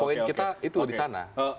poin kita itu di sana